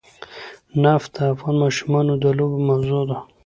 نفت د افغان ماشومانو د لوبو موضوع ده.